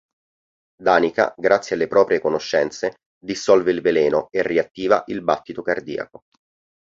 Danica, grazie alle proprie conoscenze, dissolve il veleno e riattiva il battito cardiaco.